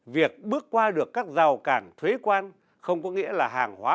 việc bước qua được các rào cản thuế quan không có nghĩa là hàng hóa